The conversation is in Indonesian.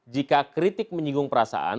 jika kritik menyinggung perasaan